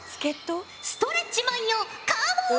ストレッチマンよカモン！